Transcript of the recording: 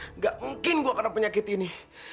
tidak mungkin gua kena penyakit ini